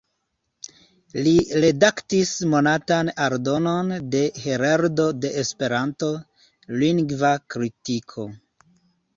Li redaktis monatan aldonon de "Heroldo de Esperanto: Lingva Kritiko.